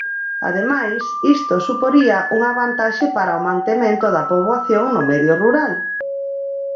Ademais, isto suporía unha vantaxe para o mantemento da poboación no medio rural.